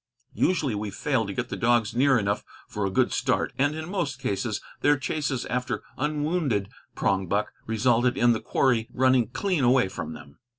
Usually we failed to get the dogs near enough for a good start; and in most cases their chases after unwounded prongbuck resulted in the quarry running clean away from them.